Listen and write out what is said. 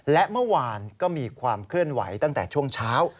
และเมื่อวานก็มีความเคลื่อนไหวตั้งแต่ช่วงเช้า